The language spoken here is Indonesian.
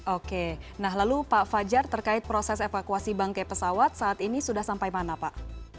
oke nah lalu pak fajar terkait proses evakuasi bangke pesawat saat ini sudah sampai mana pak